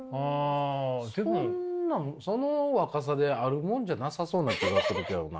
そんなんその若さであるもんじゃなさそうな気がするけどな。